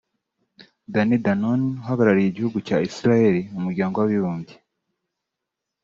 Danny Danon uhagarariye igihugu cya Israel mu Muryango w’Abibumbye